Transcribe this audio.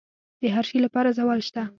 د هر شي لپاره زوال شته،